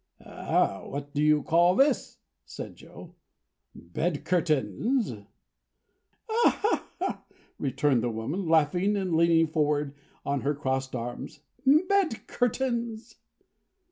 "What do you call this?" said Joe. "Bed curtains!" "Ah!" returned the woman, laughing and leaning forward on her crossed arms. "Bed curtains!"